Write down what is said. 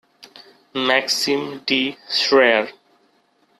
Maxim D. Shrayer.